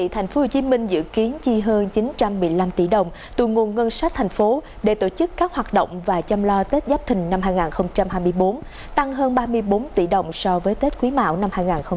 thành phố hồ chí minh dự kiến chi hơn chín trăm một mươi năm tỷ đồng từ nguồn ngân sách thành phố để tổ chức các hoạt động và chăm lo tết giáp thình năm hai nghìn hai mươi bốn tăng hơn ba mươi bốn tỷ đồng so với tết quý mão năm hai nghìn hai mươi ba